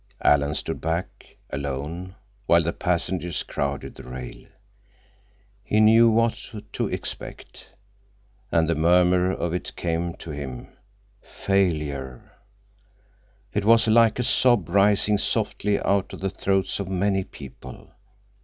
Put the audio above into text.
Alan stood back, alone, while the passengers crowded the rail. He knew what to expect. And the murmur of it came to him—failure! It was like a sob rising softly out of the throats of many people.